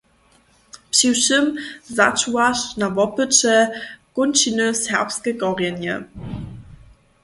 Přiwšěm začuwaš na wopyće kónčiny serbske korjenje.